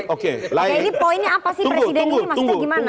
oke nah ini poinnya apa sih presiden ini maksudnya gimana